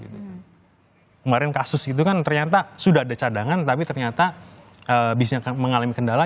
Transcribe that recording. kemarin kasus itu kan ternyata sudah ada cadangan tapi ternyata bisa mengalami kendala